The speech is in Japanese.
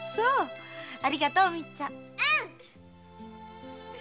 ありがとうおみっちゃん。